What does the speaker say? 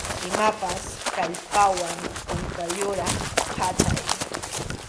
Imapas kallpawan kunkayuqraq phatay.